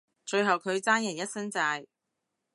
最後佢爭人一身債